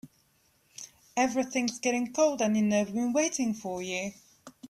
Everything's getting cold and you know we've been waiting for you.